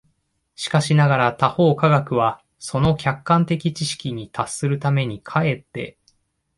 しかしながら他方科学は、その客観的知識に達するために、却って